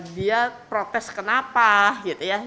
dia protes kenapa gitu ya